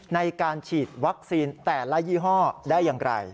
ในการฉีดวัคซีนแต่ละยี่ห้อได้อย่างไร